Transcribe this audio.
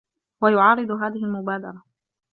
هو يعارض هذه المبادرة.